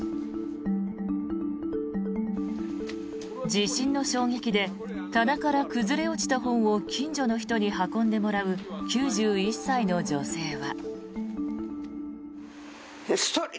地震の衝撃で棚から崩れ落ちた本を近所の人に運んでもらう９１歳の女性は。